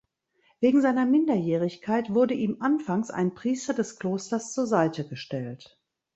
Wegen seiner Minderjährigkeit wurde ihm anfangs ein Priester des Klosters zur Seite gestellt.